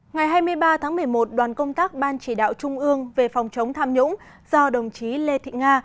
ngày hai mươi ba tháng một mươi một đoàn công tác ban chỉ đạo trung ương về phòng chống tham nhũng do đồng chí lê thị nga